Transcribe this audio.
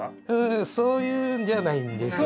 んそういうんじゃないんです。